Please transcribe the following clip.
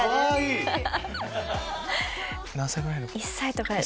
何歳ぐらい？